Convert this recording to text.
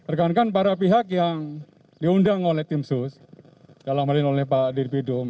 rekan rekan para pihak yang diundang oleh tim sus dalam hal ini oleh pak dirbidum